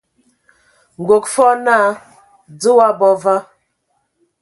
Nkɔg wɔ naa "Dze o abɔ va ?".